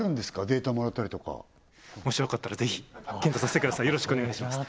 データもらったりとかもしよかったらぜひ検討させてくださいよろしくお願いします